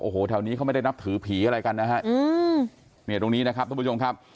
โอ้โหแถวนี้เขาไม่ได้นับถือผีอะไรกันนะฮะอืมเนี่ยตรงนี้นะครับทุกผู้ชมครับ